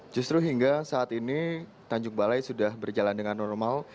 justru hingga saat ini tanjung balai sudah berjalan dengan normal